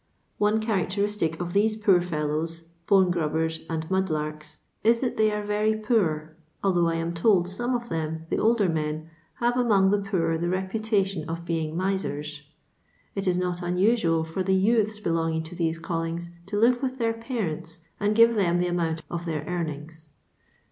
One characteristic of these poor fellows, bone grubben and mud brks, is that they LONDON LABOUR AND TBB LONDON PWM. pel are very poor, althongb I am told ■ome of Uiem, the older men, have among the poor the reputa tion of being misers. It if not unusnal for the youths belonging to these callings to live with their parents and give them the amount of their earnings.